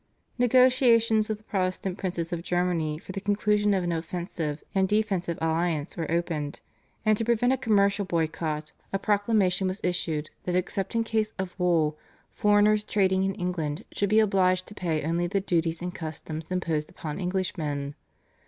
Negotiations with the Protestant princes of Germany for the conclusion of an offensive and defensive alliance were opened, and to prevent a commercial boycott a proclamation was issued that except in case of wool foreigners trading in England should be obliged to pay only the duties and customs imposed upon Englishmen.